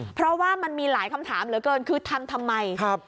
เพราะว่ามันมีหลายคำถามเหลือเกินคือทำทำไม